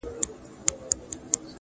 • د کلونو مسافر یم د ښکاریانو له شامته ,